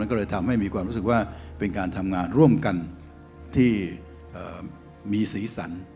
ก็เลยทำให้มีความรู้สึกว่าเป็นการทำงานร่วมกันที่มีสีสัน